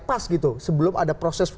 karena itu belum ada proses